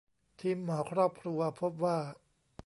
ทีมหมอครอบครัวพบว่า